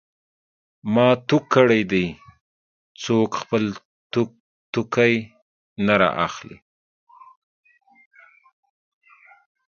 ما تو کړی دی؛ څوک خپل توکی نه رااخلي.